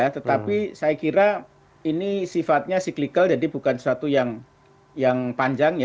tetapi saya kira ini sifatnya cyclical jadi bukan sesuatu yang panjang